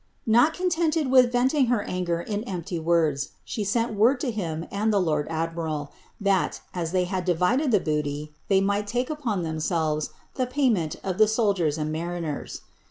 ''* Not nted with venting her anger in empty words, she sent word to him he lord admiral, that, as they had divided the booty, they might ipon themselves the payment of the soldiers and mariners.